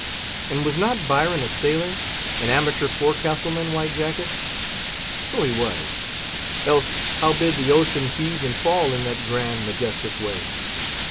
And was not Byron a sailor? an amateur forecastle man, White Jacket, so he was; else how bid the ocean heave and fall in that grand, majestic way?